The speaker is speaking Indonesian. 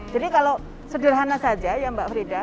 jadi kalau sederhana saja ya mbak frida